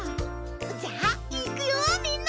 じゃあいくよみんな！